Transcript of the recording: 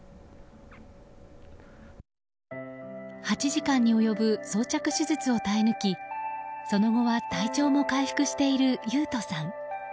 ８時間に及ぶ装着手術を耐え抜きその後は体調も回復している維斗さん。